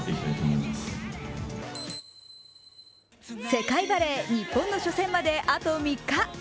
世界バレー日本の初戦まであと３日。